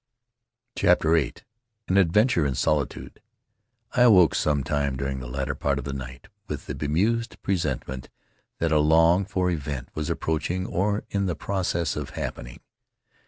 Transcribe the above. CHAPTER VIII An Adventure in Solitude AWOKE sometime during the latter part of the night with the bemused pre sentiment that a longed for event was approaching or in the process of happen ing.